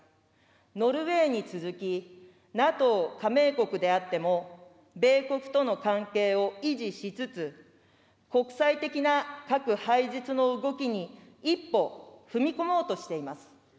ノルウェーに続き、ＮＡＴＯ加盟国であっても、米国との関係を維持しつつ、国際的な核廃絶の動きに一歩踏み込もうとしています。